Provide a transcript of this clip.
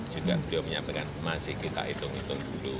juga beliau menyampaikan masih kita hitung hitung dulu